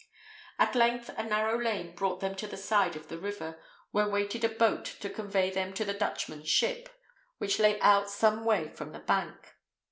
At length a narrow lane brought them to the side of the river, where waited a boat to convey them to the Dutchman's ship, which lay out some way from the bank.